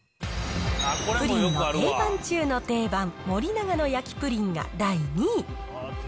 プリンの定番中の定番、森永の焼プリンが第２位。